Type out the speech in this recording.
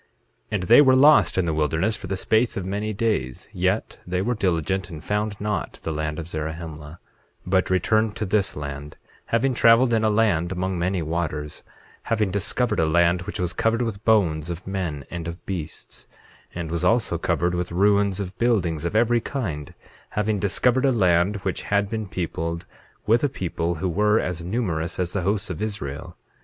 8:8 And they were lost in the wilderness for the space of many days, yet they were diligent, and found not the land of Zarahemla but returned to this land, having traveled in a land among many waters, having discovered a land which was covered with bones of men, and of beasts, and was also covered with ruins of buildings of every kind, having discovered a land which had been peopled with a people who were as numerous as the hosts of Israel.